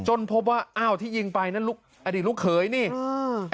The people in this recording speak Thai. พบว่าอ้าวที่ยิงไปนั่นลูกอดีตลูกเขยนี่อ่า